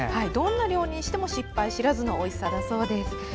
どんな料理にしても失敗知らずのおいしさだそうです。